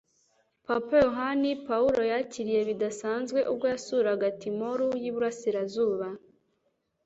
Papa Yohani Pawulo yakiriwe bidasanzwe ubwo yasuraga Timoru y'Uburasirazuba